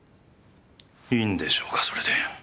いいんでしょうかそれで？